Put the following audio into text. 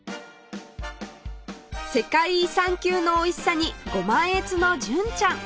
世界遺産級の美味しさにご満悦の純ちゃん